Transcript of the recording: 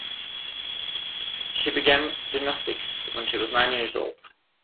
She began gymnastics when she was nine years old.